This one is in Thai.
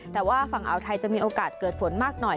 แต่ว่าฝั่งอ่าวไทยจะมีโอกาสเกิดฝนมากหน่อย